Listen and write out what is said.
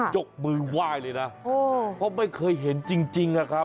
ยกมือไหว้เลยนะเพราะไม่เคยเห็นจริงนะครับ